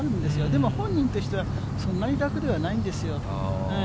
でも本人としては、そんなに楽ではないんですよ。